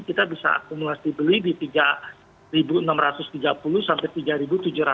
kita bisa akumulasi beli di tiga ribu enam ratus tiga puluh sampai tiga ribu tujuh ratus dua puluh